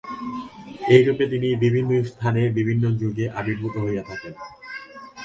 এইরূপে তিনি বিভিন্ন স্থানে বিভিন্ন যুগে আবির্ভূত হইয়া থাকেন।